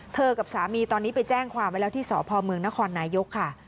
กับสามีตอนนี้ไปแจ้งความไว้แล้วที่สพเมืองนครนายกค่ะ